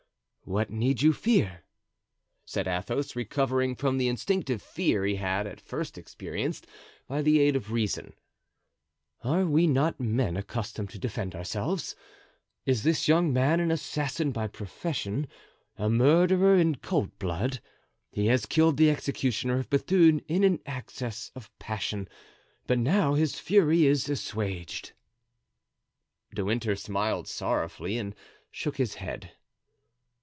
"What need you fear?" said Athos, recovering from the instinctive fear he had at first experienced, by the aid of reason; "are we not men accustomed to defend ourselves? Is this young man an assassin by profession—a murderer in cold blood? He has killed the executioner of Bethune in an access of passion, but now his fury is assuaged." De Winter smiled sorrowfully and shook his head.